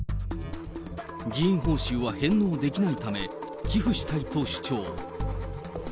議員報酬は返納できないため、寄付したいと主張。